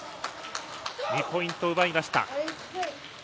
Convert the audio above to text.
２ポイント奪いました。